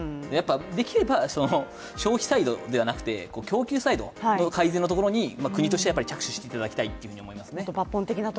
できれば消費サイドではなくて、供給サイドの改善のところに国として着手していただきたいと思いますね。